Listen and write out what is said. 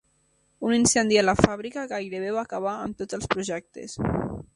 Un incendi a la fàbrica gairebé va acabar amb tots els projectes.